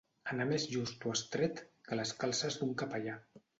Anar més just o estret que les calces d'un capellà.